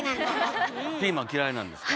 ピーマン嫌いなんですか？